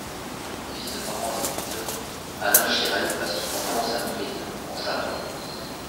Fils de parents instituteurs, Alain Girel passe son enfance à Montmélian en Savoie.